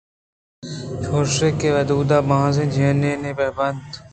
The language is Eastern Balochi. چُش کہ داوا بانزیں جنینے بہ بیت